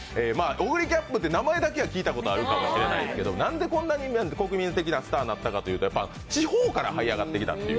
オグリキャップって名前だけは聞いたことがあるかもしれないですけど、なんでこんなに国民的なスターになったかっていうと地方から這い上がってきたという。